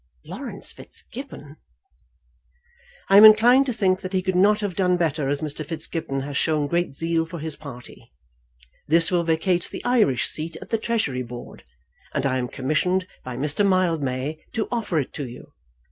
Laurence Fitzgibbon! I am inclined to think that he could not have done better, as Mr. Fitzgibbon has shown great zeal for his party. This will vacate the Irish seat at the Treasury Board, and I am commissioned by Mr. Mildmay to offer it to you.